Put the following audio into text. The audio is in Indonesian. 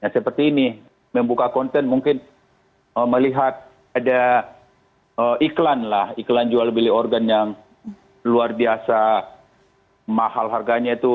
seperti ini membuka konten mungkin melihat ada iklan lah iklan jual beli organ yang luar biasa mahal harganya itu